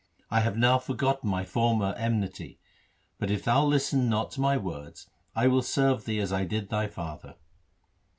I have now forgotten my former enmity ; but if thou listen not to my words, I will serve thee as I did thy father.'